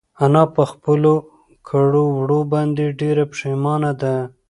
انا په خپلو کړو وړو باندې ډېره پښېمانه ده.